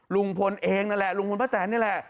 ลุงพลเองนั่นแหละลุงพลป้าแตนนี่แหละ